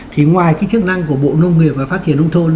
thì ngoài cái chức năng của bộ nông nghiệp và phát triển nông thôn